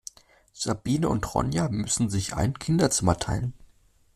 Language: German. Sabine und Ronja müssen sich ein Kinderzimmer teilen.